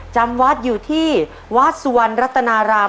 จำวัดอยู่ที่วัดสุวรรณรัตนาราม